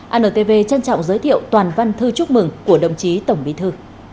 antv trân trọng giới thiệu toàn văn thư chúc mừng của đồng chí tổng bí thư